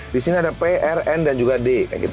di sini ada p r n dan juga d